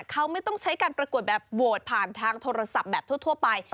เขาไม่ต้องใช้การประกวดแบบโหวตผ่านทางโทรศัพท์แบบทั่วไป